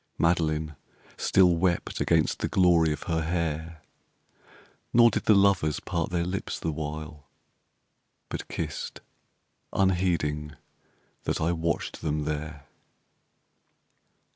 Madeleine Still wept against the glory of her hair, Nor did the lovers part their lips the while, But kissed unheeding that I watched them there.